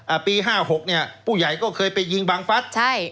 ปีห้าหกเนี้ยผู้ใหญ่ก็เคยไปยิงบังฟัสใช่